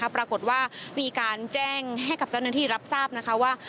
ปรากฏว่ามีการแจ้งให้กับเจ้าหน้าที่รับทราบนะคะว่า